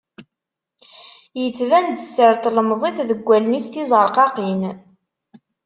Yettban-d sser n tlemẓit deg wallen-is tizerqaqin.